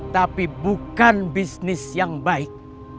tapi bukan bisnis yang baik